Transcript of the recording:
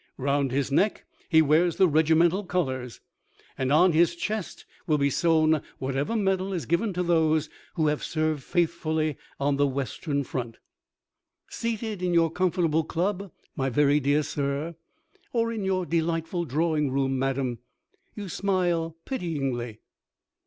Round his neck he wears the regimental colours, and on his chest will be sewn whatever medal is given to those who have served faithfully on the Western Front. Seated in your comfortable club, my very dear sir, or in your delightful drawing room, madam, you smile pityingly....